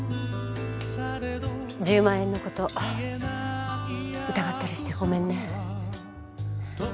１０万円のこと疑ったりしてごめんね。